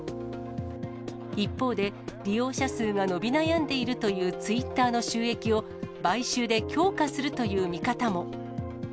一方で、利用者数が伸び悩んでいるというＴｗｉｔｔｅｒの収益を、買収で強化するという見方も。